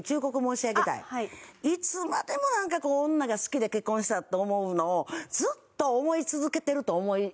いつまでもなんかこう女が好きで結婚したと思うのをずっと思い続けてると思いますね。